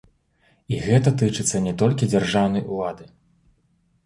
І гэта тычыцца не толькі дзяржаўнай улады.